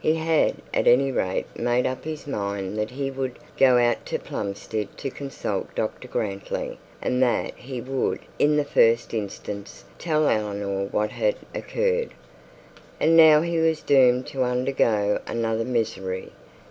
He had at any rate made up his mind that he would go out to Plumstead to consult Dr Grantly, and that he would in the first instance tell Eleanor what had occurred. And now he was doomed to undergo another misery.